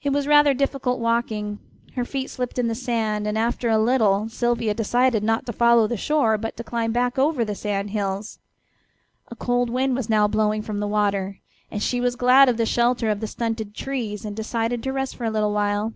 It was rather difficult walking. Her feet slipped in the sand, and after a little Sylvia decided not to follow the shore, but to climb back over the sand hills. A cold wind was now blowing from the water, and she was glad of the shelter of the stunted trees, and decided to rest for a little while.